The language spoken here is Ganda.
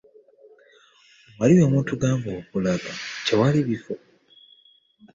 Wali we mutugamba okulaga tewali bifo.